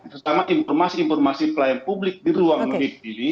pertama informasi informasi klien publik di ruang ini